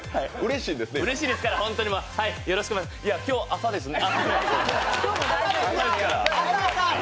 いや、今日朝ですね。